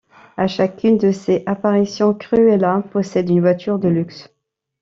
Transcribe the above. À chacune de ses apparitions, Cruella possède une voiture de luxe.